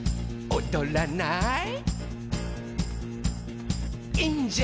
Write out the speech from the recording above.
「おどらない？」